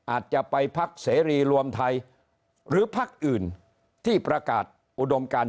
อาจจะไปพักเสรีรวมไทยหรือพักอื่นที่ประกาศอุดมการ